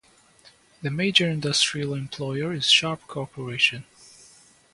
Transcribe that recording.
The major industrial employer is Sharp Corporation.